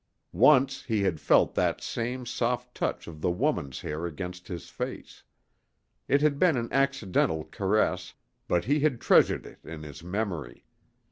Once he had felt that same soft touch of the woman's hair against his face. It had been an accidental caress, but he had treasured it in his memory.